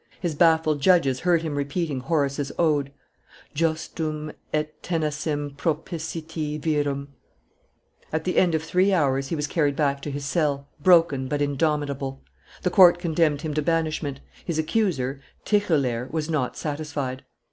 His baffled judges heard him repeating Horace's ode: Just um et tenacem propositi virum. ... At the end of three hours he was carried back to his cell, broken but indomitable. The court condemned him to banishment; his accuser, Tichelaer, was not satisfied.